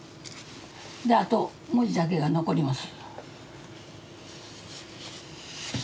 であと文字だけが残ります。